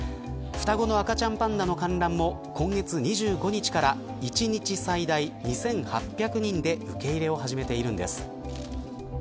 双子の赤ちゃんパンダの観覧も今月２５日から１日最大２８００人で受け入れを始めているんです。